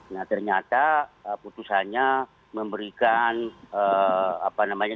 nah ternyata putusannya memberikan apa namanya